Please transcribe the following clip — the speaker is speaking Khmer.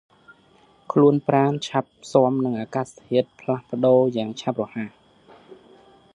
ខ្លួនប្រាណឆាប់ស៊ាំនឹងអាកាសធាតុផ្លាស់ប្តូរយ៉ាងឆាប់រហ័ស។